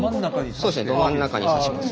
そうですねど真ん中に刺します。